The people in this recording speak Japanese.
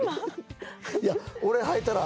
いや俺はいたら。